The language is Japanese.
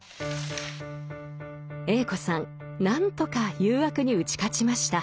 Ａ子さん何とか誘惑に打ち勝ちました。